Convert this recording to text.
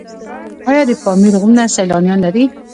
آیا د پامیر غرونه سیلانیان لري؟